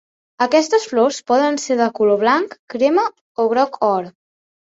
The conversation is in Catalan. Aquestes flors poden ser de color blanc, crema o groc or.